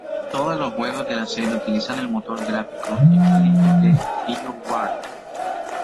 Todos los juegos de la serie utilizan el motor gráfico Infinity de BioWare.